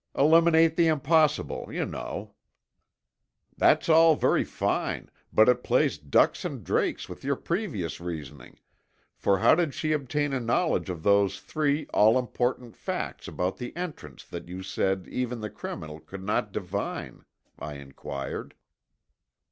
"Eliminate the impossible, you know." "That's all very fine, but it plays ducks and drakes with your previous reasoning, for how did she obtain a knowledge of those three all important facts about the entrance that you said even the criminal could not divine?" I inquired.